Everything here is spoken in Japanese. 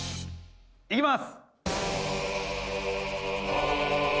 行きます！